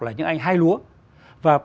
là những anh hai lúa và